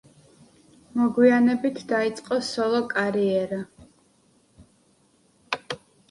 მოგვიანებით დაიწყო სოლო-კარიერა.